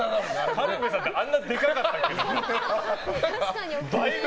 軽部さんってあんなでかかったっけ。